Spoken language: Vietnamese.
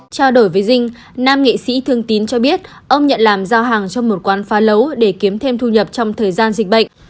trao đổi với dinh nam nghệ sĩ thương tín cho biết ông nhận làm giao hàng cho một quán phá lấu để kiếm thêm thu nhập trong thời gian dịch bệnh